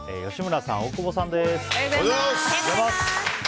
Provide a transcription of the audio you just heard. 木曜日は吉村さん、大久保さんです。